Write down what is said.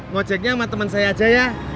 ngojeknya sama teman saya aja ya